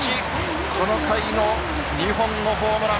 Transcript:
この回の２本のホームラン。